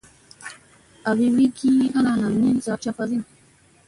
Azi wi ki ana nam ni sa caffa ginna.